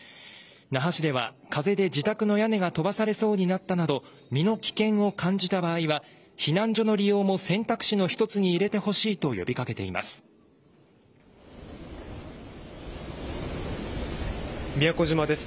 那覇市では風で自宅の屋根が飛ばされそうになったなど身の危険を感じた場合は避難所の利用も選択肢の一つに入れてほしいと宮古島です。